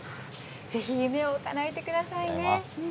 ぜひ夢をかなえてくださいね。